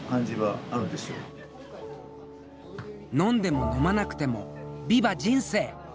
飲んでも飲まなくてもビバ人生！